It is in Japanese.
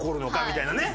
みたいなね。